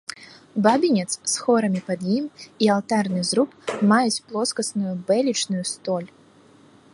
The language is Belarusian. Бабінец з хорамі пад ім і алтарны зруб маюць плоскасную бэлечную столь.